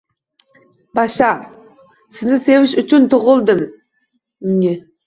Bashar, sizni sevish uchun tug‘ildim! ng